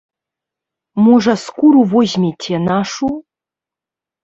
Можа, скуру возьмеце нашу?